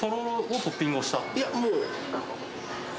いやもう。